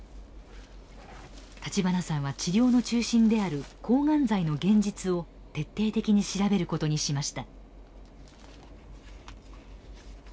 立花さんは治療の中心である抗がん剤の現実を徹底的に調べることにしました。